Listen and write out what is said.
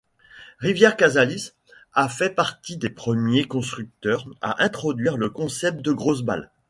Rivierre-Casalis a fait partie des premiers constructeurs à introduire le concept de grosse balle.